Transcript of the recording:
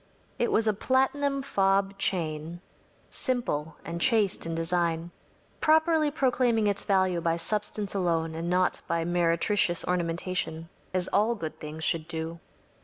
It was a platinum fob chain simple and chaste in design, properly proclaiming its value by substance alone and not by meretricious ornamentation‚ÄĒas all good things should do.